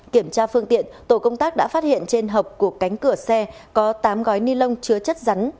kiểm tra phương tiện tổ công tác đã phát hiện trên hộp của cánh cửa xe có tám gói ni lông chứa chất rắn